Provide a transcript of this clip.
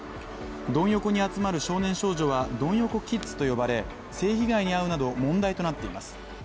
ドン横に集まる少年少女は、ドン横キッズと呼ばれ性被害に遭うなど問題となっています。